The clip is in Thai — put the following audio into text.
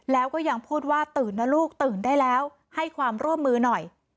แล้วก็ยังพูดว่าตื่นนะลูกตื่นได้แล้วให้ความร่วมมือหน่อย